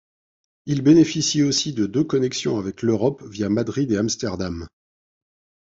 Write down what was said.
Il bénéficie aussi de deux connections avec l'Europe, via Madrid et Amsterdam.